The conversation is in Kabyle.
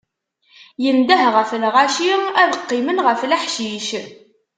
Indeh ɣef lɣaci ad qqimen ɣef leḥcic.